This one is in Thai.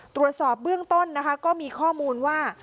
ตรวจสอบเบื้องต้นนะคะก็มีข้อมูลว่า